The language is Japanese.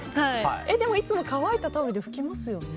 でも、いつも乾いたタオルで拭きますよね。